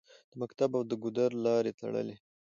د مکتب او د ګودر لارې تړلې